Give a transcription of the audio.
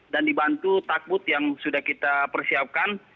dan dibantu takut yang sudah kita persiapkan